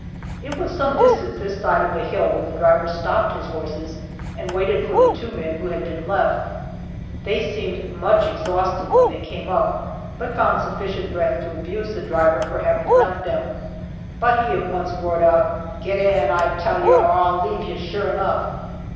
It was some distance this side of the hill when the driver stopped his horses and waited for the two men who had been left. They seemed much exhausted when they came up, but found sufficient breath to abuse the driver for having left them; but he at once roared out, "Get in, I tell you, or I'll leave you sure enough!"